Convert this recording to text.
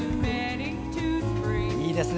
いいですね。